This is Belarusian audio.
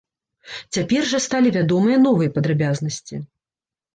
Цяпер жа сталі вядомыя новыя падрабязнасці.